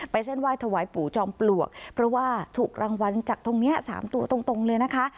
เส้นไหว้ถวายปู่จอมปลวกเพราะว่าถูกรางวัลจากตรงนี้๓ตัวตรงเลยนะคะ